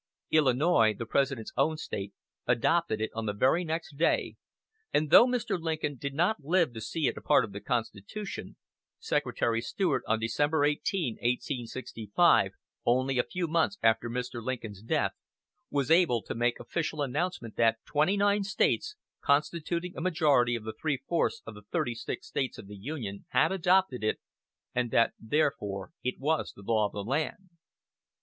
Illinois, the President's own State, adopted it on the very next day, and though Mr. Lincoln did not live to see it a part of the Constitution, Secretary Seward, on December 18, 1865, only a few months after Mr. Lincoln's death, was able to make official announcement that 29 States, constituting a majority of three fourths of the 36 States of the Union, had adopted it, and that therefore it was the law of the land.